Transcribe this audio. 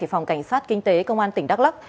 phòng cảnh sát kinh tế công an tỉnh đắk lắc